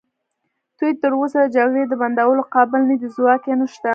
دوی تراوسه د جګړې د بندولو قابل نه دي، ځواک یې نشته.